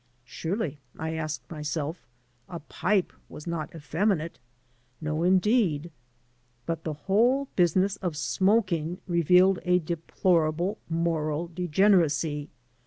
Surely, I asked myself, a pipe was not effeminate? No, indeed. But the whole business of smoking revealed a deplorable moral degeneracy.